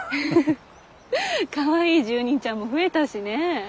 かわいい住人ちゃんも増えたしね。